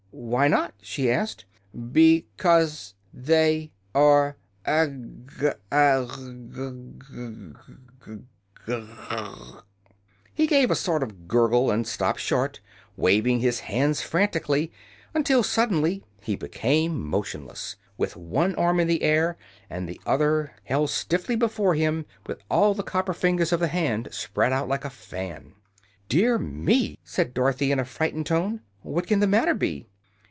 "Why not?" she asked. "Be cause they are ag g g gr gr r r " He gave a sort of gurgle and stopped short, waving his hands frantically until suddenly he became motionless, with one arm in the air and the other held stiffly before him with all the copper fingers of the hand spread out like a fan. "Dear me!" said Dorothy, in a frightened tone. "What can the matter be?"